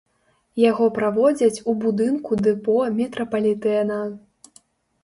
Яго праводзяць у будынку дэпо метрапалітэна.